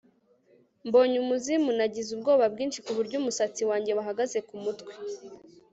Mbonye umuzimu nagize ubwoba bwinshi kuburyo umusatsi wanjye wahagaze kumutwe